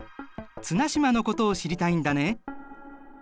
綱島のことを知りたいんだね。